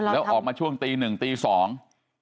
แล้วออกมาช่วงตีหนึ่งตีสอง